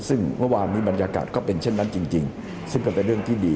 ซึ่งเมื่อวานนี้บรรยากาศก็เป็นเช่นนั้นจริงซึ่งมันเป็นเรื่องที่ดี